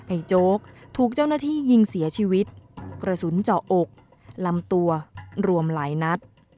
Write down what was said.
โจ๊กถูกเจ้าหน้าที่ยิงเสียชีวิตกระสุนเจาะอกลำตัวรวมหลายนัด